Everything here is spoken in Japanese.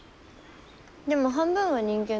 でも半分は人間でしょ？